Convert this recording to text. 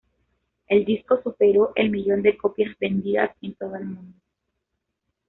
El disco superó el millón de copias vendidas en todo el mundo.